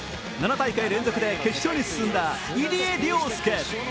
７大会連続で決勝に進んだ入江陵介